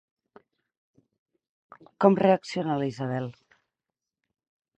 Com reacciona la Isabel?